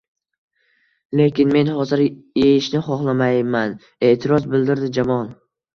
Lekin men hozir eyishni xohlamayman, e`tiroz bildirdi Jamol